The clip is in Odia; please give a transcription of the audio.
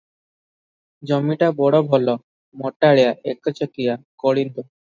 ଜମିଟା ବଡ଼ ଭଲ, ମଟାଳିଆ, ଏକଚକିଆ, କଳିନ୍ଦ ।